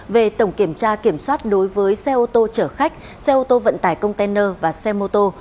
về tổng kiểm tra kiểm soát đối với xe ô tô chở khách xe ô tô vận tải container và xe mô tô